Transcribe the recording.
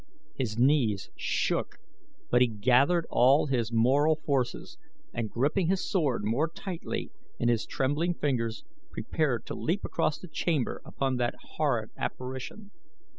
His knees shook, but he gathered all his moral forces, and gripping his sword more tightly in his trembling fingers prepared to leap across the chamber upon the horrid apparition.